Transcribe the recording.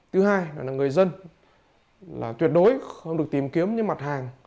thứ hai là người dân là tuyệt đối không được tìm kiếm những mặt hàng